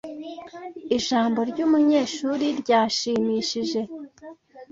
Ijambo ryumunyeshuri ryashimishije.